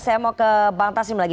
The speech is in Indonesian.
saya mau ke bang taslim lagi